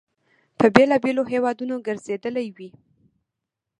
په بېلابېلو هیوادونو ګرځېدلی وي.